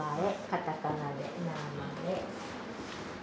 カタカナで名前。